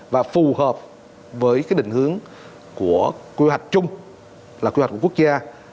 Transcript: và phù hợp với cái định hướng của quy hoạch chung là quy hoạch của quốc gia